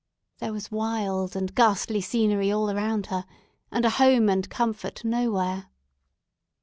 There was wild and ghastly scenery all around her, and a home and comfort nowhere.